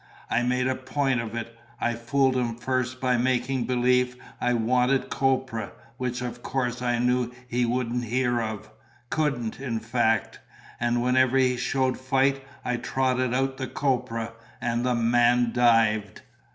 I made a point of it. I fooled him first by making believe I wanted copra, which of course I knew he wouldn't hear of couldn't, in fact; and whenever he showed fight, I trotted out the copra, and that man dived!